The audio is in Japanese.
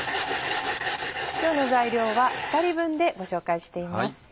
今日の材料は２人分でご紹介しています。